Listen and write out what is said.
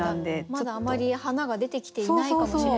まだあまり花が出てきていないかもしれない。